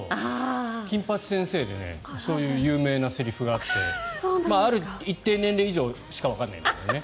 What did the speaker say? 「金八先生」でそういう有名なセリフがあってある一定年齢以上しかわからないんだよね。